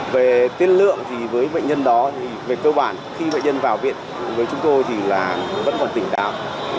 về tiết lượng thì với bệnh nhân đó thì về cơ bản khi bệnh nhân vào viện với chúng tôi thì là vẫn còn tỉnh táo